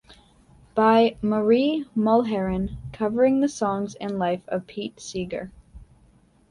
By Maurie Mulheron, covering the songs and life of Pete Seeger.